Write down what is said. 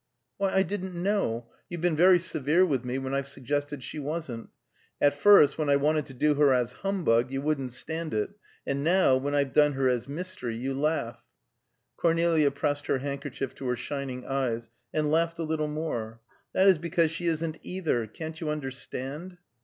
"Why, I didn't know You've been very severe with me when I've suggested she wasn't. At first, when I wanted to do her as Humbug, you wouldn't stand it, and now, when I've done her as Mystery, you laugh." Cornelia pressed her handkerchief to her shining eyes, and laughed a little more. "That is because she isn't either. Can't you understand?"